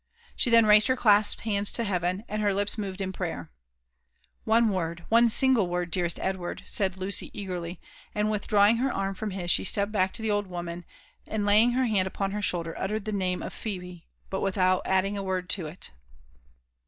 She then raised her dasped hands to heaven, and her lips moved in prayer. One word, one single word, dearest Edward !" said Lucy eager^ a* 116 LIFE AND ADVENTURES OP ly ; and withdrawing her arm from his, she stepped back to the old woman, and laying her hand upon her shoijlder, uttered the name of *' Phebe 1" but without adding a word to it.